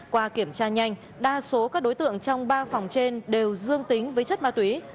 qua kiểm tra nhanh đa số các đối tượng trong ba phòng trên đều dương tính với chất ma túy